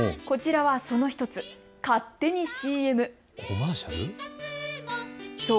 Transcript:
こちらはその１つ、勝手にＣＭ。